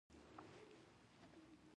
رښتینې ژمنه د پیرودونکي باور زیاتوي.